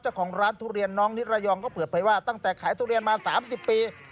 เจ้าของร้านทุเรียนน้องนิดระยองก็เปิดเผยว่าตั้งแต่ขายทุเรียนมา๓๐ปี